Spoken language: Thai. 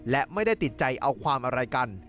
และไม่ได้ติดใจเอาความอะไรกัน